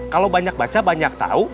kalau banyak baca banyak tahu